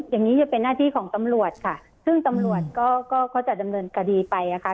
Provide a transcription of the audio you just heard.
อย่างนี้จะเป็นหน้าที่ของตำรวจค่ะซึ่งตำรวจก็เขาจะดำเนินคดีไปนะคะ